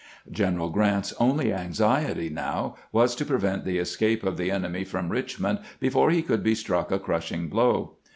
General Grant's only anxiety now was to prevent the escape of the enemy from Richmond before he could be struck a crushing blow.